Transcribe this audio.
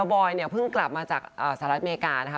บอยเนี่ยเพิ่งกลับมาจากสหรัฐอเมริกานะคะ